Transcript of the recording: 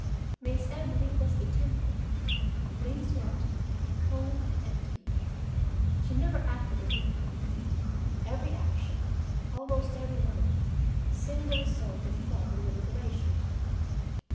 Miss Emily was a temple, clean swept, cold, and empty. She never acted on impulse. Every action, almost every word, seemed the result of thought and deliberation.